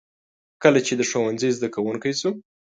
کله چې د ښوونځي زده کوونکی شو.